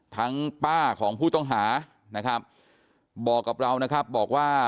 ป้าของผู้ต้องหานะครับบอกกับเรานะครับบอกว่า